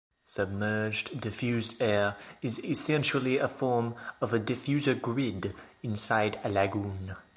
Submerged diffused air is essentially a form of a diffuser grid inside a lagoon.